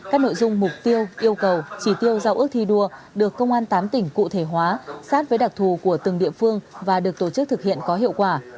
các nội dung mục tiêu yêu cầu chỉ tiêu giao ước thi đua được công an tám tỉnh cụ thể hóa sát với đặc thù của từng địa phương và được tổ chức thực hiện có hiệu quả